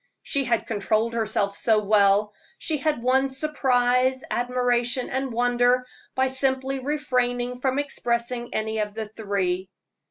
She had controlled herself so well; she had won surprise, admiration, and wonder by simply refraining from expressing any of the three.